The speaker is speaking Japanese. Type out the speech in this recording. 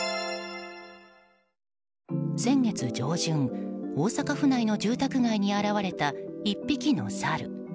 先月上旬大阪府内の住宅街に現れた１匹のサル。